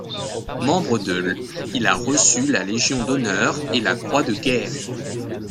Membre de l', il a reçu la Légion d'honneur, et la Croix de guerre.